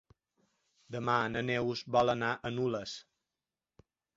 Demà na Neus vol anar a Nules.